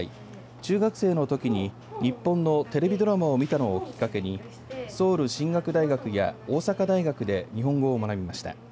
中学生のときに日本のテレビドラマを見たのをきっかけにソウル神学大学や大阪大学で日本語を学びました。